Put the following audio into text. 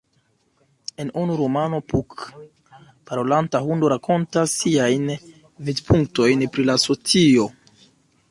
En unu romano, "Puck", parolanta hundo rakontas siajn vidpunktojn pri la socio.